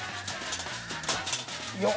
よっ。